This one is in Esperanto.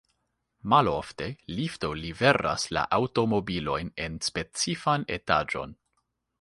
Malofte, lifto liveras la aŭtomobilojn en specifan etaĝon.